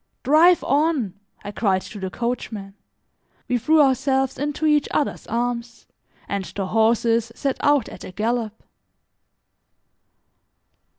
"Drive on," I cried to the coachman. We threw ourselves into each other's arms, and the horses set out at a gallop.